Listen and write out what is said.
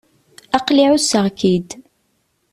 Aql-i εusseɣ-k-id.